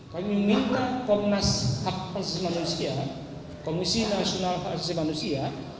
kami minta komnas hak asasi manusia komisi nasional hak asasi manusia